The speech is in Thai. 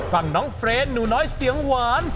ฝั่งน้องเฟรนหนูน้อยเสียงหวาน